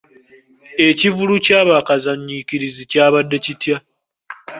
Ekivvulu kya bakazanyiikirizi kyabadde kitya?